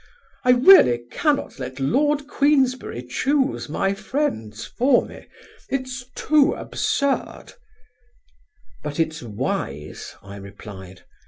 I really cannot let Lord Queensberry choose my friends for me. It's too absurd." "But it's wise," I replied.